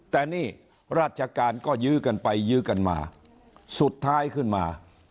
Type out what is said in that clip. แต่นี่ราชการก็ยื้อกันไปยื้อกันมาสุดท้ายขึ้นมา